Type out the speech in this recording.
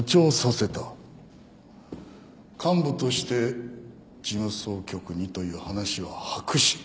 幹部として事務総局にという話は白紙。